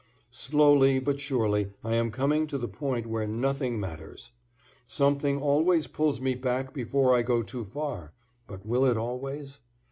Slowly but surely I am coming to the point where nothing matters. Something always pulls me back before I go too far, but will it always?